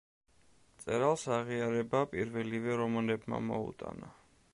მწერალს აღიარება პირველივე რომანებმა მოუტანა.